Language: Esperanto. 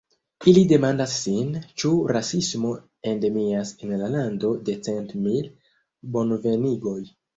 Ili demandas sin, ĉu rasismo endemias en la lando de cent mil bonvenigoj.